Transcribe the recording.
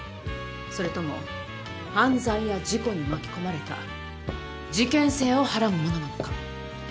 それとも犯罪や事故に巻き込まれた事件性をはらむものなのか。